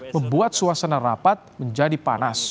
membuat suasana rapat menjadi panas